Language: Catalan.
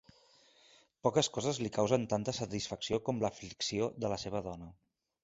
Poques coses li causen tanta satisfacció com l'aflicció de la seva dona.